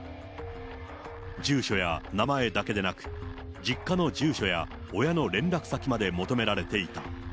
住所や名前だけでなく、実家の住所や親の連絡先まで求められていた。